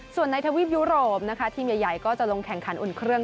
ส่วนในทวีปยุโรปนะคะทีมใหญ่ก็จะลงแข่งขันอุ่นเครื่อง